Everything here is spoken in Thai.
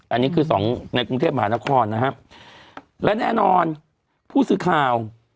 อันนี้คือสองในกรุงเทพมหานครนะครับและแน่นอนผู้สื่อข่าว